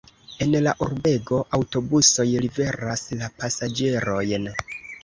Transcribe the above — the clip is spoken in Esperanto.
En la urbego aŭtobusoj liveras la pasaĝerojn.